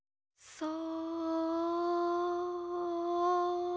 そう！